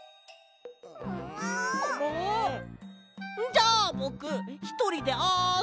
じゃあぼくひとりであそぼ。